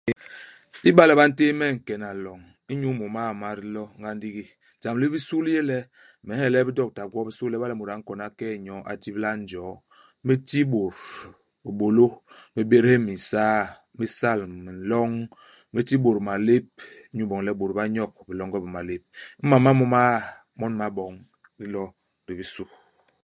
Iba le ba ntéé me nkena loñ inyu 30 ma dilo nga ndigi, jam li bisu li yé le, me nhelel bidokta gwobisô le iba le mut a nkon, a ke'e nyoo, a tibla njoo. Me ti bôt bibôlô. Me bédés minsaa. Me sal minloñ. Me ti bôt malép, inyu iboñ le bôt ba nyok bilonge bi malép. Imam ma mo maa, mon me gaboñ idilo di bisu.